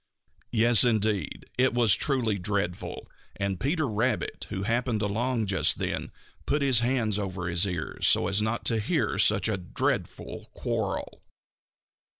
Yes, indeed it was truly dreadful, and Peter Rabbit, who happened along just then, put his hands over his ears so as not to hear such a dreadful quarrel.